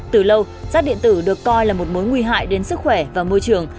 từ lâu rác điện tử được coi là một mối nguy hại đến sức khỏe và môi trường